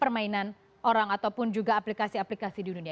permainan orang ataupun juga aplikasi aplikasi di dunia